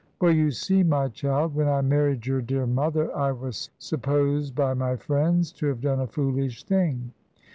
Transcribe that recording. "Well, you see, my child, when I married your dear mother I was supposed by my friends to have done a foolish thing.